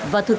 và thực tế